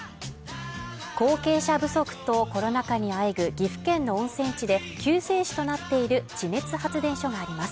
後継者不足とコロナ禍に喘ぐ岐阜県の温泉地で救世主となっている地熱発電所があります。